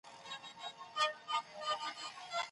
دا ماشینونه د زعفرانو کیفیت ساتي.